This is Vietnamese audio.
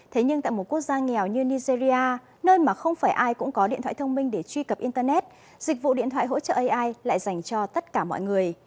thế nhưng tại một quốc gia nghèo như nigeria nơi mà không phải ai cũng có điện thoại thông minh để truy cập internet dịch vụ điện thoại hỗ trợ ai lại dành cho tất cả mọi người